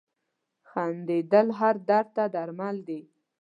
• خندېدل هر درد ته درمل دي.